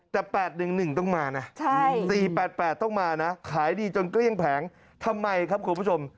แต่๘๑๑ต้องมานะ๔๘๘ต้องมานะขายดีจนเกลี้ยงแผงทำไมครับคุณผู้ชม